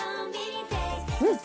うん？